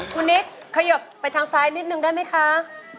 คุณนิกขยบไปทางซ้ายนิดนึงได้ไหมคะ